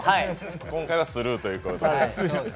今回はスルーということで。